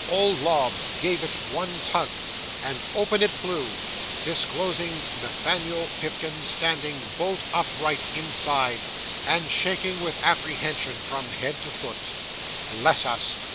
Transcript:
Old Lobbs gave it one tug, and open it flew, disclosing Nathaniel Pipkin standing bolt upright inside, and shaking with apprehension from head to foot. Bless us!